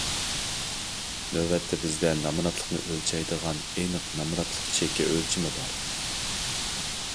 نۆۋەتتە بىزدە نامراتلىقنى ئۆلچەيدىغان ئېنىق نامراتلىق چېكى ئۆلچىمى بار.